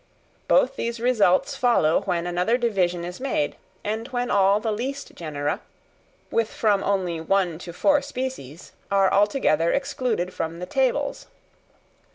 Both these results follow when another division is made, and when all the least genera, with from only one to four species, are altogether excluded from the tables.